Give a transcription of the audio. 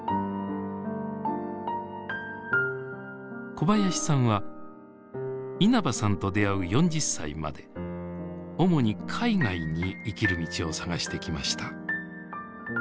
小林さんは稲葉さんと出会う４０歳まで主に海外に生きる道を探してきました。